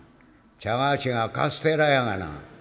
茶菓子がカステラやがな」。